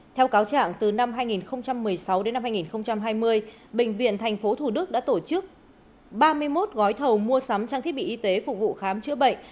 theo cáo trạng từ năm hai nghìn một mươi sáu đến năm hai nghìn hai mươi bệnh viện tp thủ đức đã tổ chức ba mươi một gói thầu mua sắm trang thiết bị y tế phục vụ khám chữa bệnh